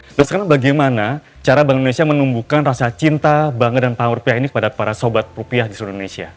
nah sekarang bagaimana cara bank indonesia menumbuhkan rasa cinta bangga dan panggung rupiah ini kepada para sobat rupiah di seluruh indonesia